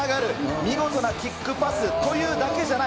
見事なキックパスというだけじゃない。